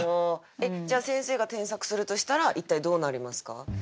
じゃあ先生が添削するとしたら一体どうなりますか？